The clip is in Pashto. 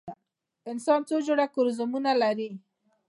انسان څو جوړه کروموزومونه لري؟